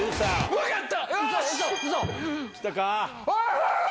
分かった！